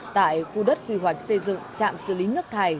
tại khu đất quy hoạch xây dựng trạm xử lý nước thải